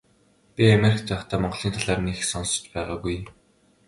Би Америкт байхдаа Монголын талаар нэг их сонсож байгаагүй.